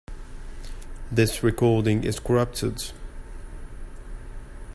This recording is corrupted.